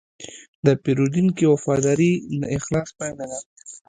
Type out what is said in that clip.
د پیرودونکي وفاداري د اخلاص پایله ده.